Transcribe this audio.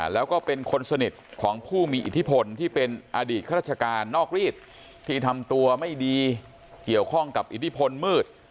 แล้วก็เป็นคนสนิทของผู้มีอิทธิพลที่เป็นอดีตข้าราชการนอกรีดที่ทำตัวไม่ดีเกี่ยวข้องกับอิทธิพลมืด